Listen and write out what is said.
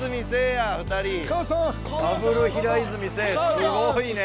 すごいね。